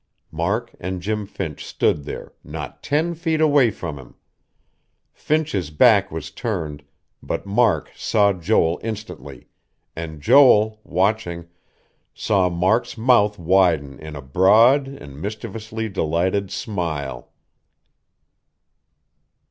Mark and Jim Finch stood there, not ten feet away from him. Finch's back was turned, but Mark saw Joel instantly; and Joel, watching, saw Mark's mouth widen in a broad and mischievously delighted smile.